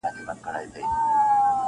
• خبره د عادت ده -